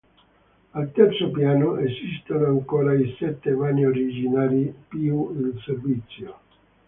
Al terzo piano esistono ancora i sette vani originari più il servizio.